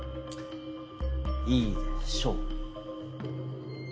いいでしょう。